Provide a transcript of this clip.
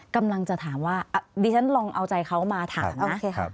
กำลังจะถามว่าดิฉันลองเอาใจเขามาถามนะ